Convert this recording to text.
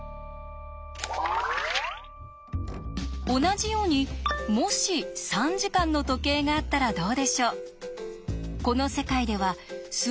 同じようにもし３時間の時計があったらどうでしょう？